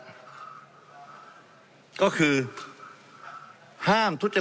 ในการที่จะระบายยาง